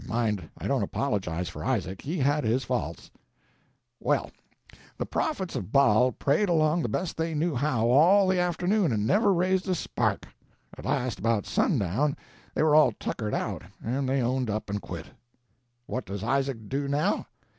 Mind, I don't apologize for Isaac; he had his faults. "Well, the prophets of Baal prayed along the best they knew how all the afternoon, and never raised, a spark. At last, about sundown, they were all tuckered out, and they owned up and quit. "What does Isaac do now?